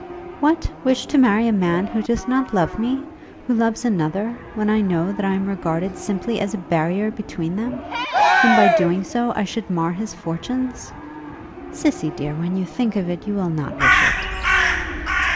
What! wish to marry a man who does not love me, who loves another, when I know that I am regarded simply as a barrier between them; when by doing so I should mar his fortunes? Cissy, dear, when you think of it, you will not wish it."